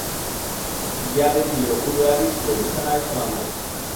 গিয়া দেখিল উদয়াদিত্য বিছানায় শোন নাই।